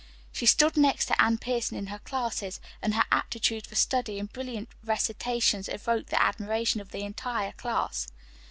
She stood next to Anne Pierson in her classes, and her aptitude for study and brilliant recitations evoked the admiration of the entire class.